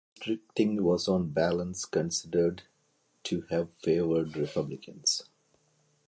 Redistricting was on balance considered to have favored Republicans.